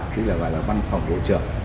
tức là văn phòng bộ trưởng